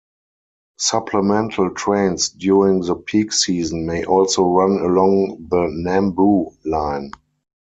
Supplemental trains during the peak season may also run along the Nambu Line.